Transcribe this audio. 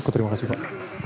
terima kasih pak